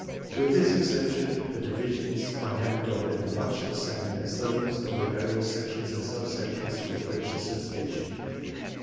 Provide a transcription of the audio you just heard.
With this exception the divisions I have adopted are much the same as those of the various Sections and Sub sections of the British Association.